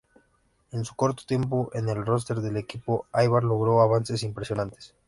En su corto tiempo en el roster del equipo, Aybar logró avances impresionantes.